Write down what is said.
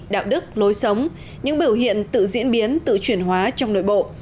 đạo đức lối sống những biểu hiện tự diễn biến tự chuyển hóa trong nội bộ